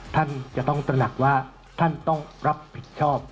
ท่านจะต้องตระหนักว่าท่านต้องรับผิดชอบ